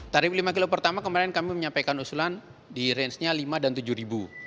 tarif lima km pertama kemarin kami menyampaikan usulan di range nya rp lima dan rp tujuh